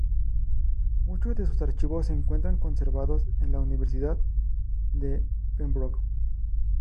Muchos de sus archivos se encuentran conservados en la Universidad de Pembroke.